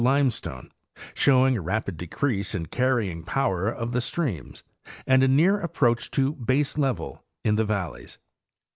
limestone, showing a rapid decrease in carrying power of the streams and a near approach to baselevel in the valleys.